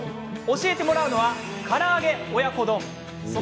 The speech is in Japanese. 教えてもらうのはから揚げ親子丼です。